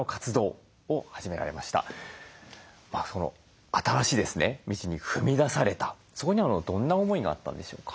その新しい道に踏み出されたそこにはどんな思いがあったんでしょうか？